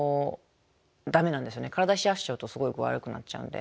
体冷やしちゃうとすごい具合悪くなっちゃうんで。